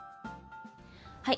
はい。